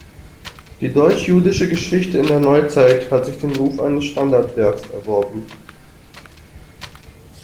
Die "Deutsch-jüdische Geschichte in der Neuzeit" hat sich den Ruf eines Standardwerks erworben.